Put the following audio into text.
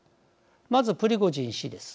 まずプリゴジン氏です。